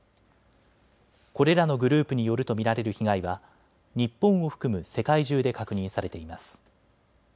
これらのグループによると見られる被害は日本を含む世界中で確認されています。